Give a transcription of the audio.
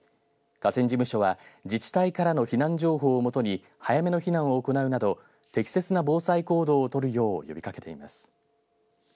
河川事務所は自治体からの避難情報をもとに早めの避難を行うなど適切な防災行動を取るよう呼びかけています。